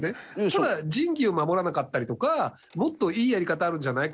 ただ仁義を守らなかったりとかもっといいやり方あるんじゃない？